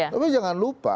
tapi jangan lupa